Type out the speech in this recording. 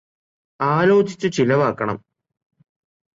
ആലോചിച്ചു ചിലവാക്കണം